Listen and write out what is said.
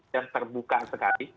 yang terbuka sekali